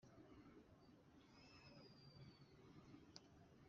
bishingiye ku ngamba zagaragajwe mu gika cya gatatu ;